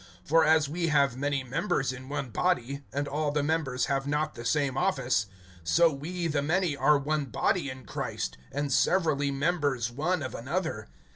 (4)For as we have many members in one body, and all the members have not the same office; (5)so we, the many, are one body in Christ, and severally members one of another.